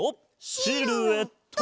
シルエット！